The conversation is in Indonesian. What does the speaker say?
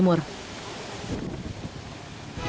muhammad yanuwa keputi